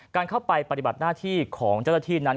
การเข้าไปปฏิบัติหน้าที่ของเจ้าหน้าที่นั้น